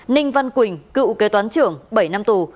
ninh văn quỳnh cựu kế toán trưởng bảy năm tù